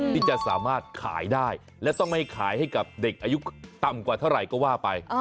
ที่จะสามารถขายได้และต้องไม่ขายให้กับเด็กอายุต่ำกว่าเท่าไหร่ก็ว่าไป